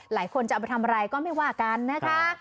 หลายคนจะเอาไปทำอะไรก็ไม่ว่ากันนะคะ